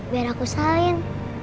biar aku salin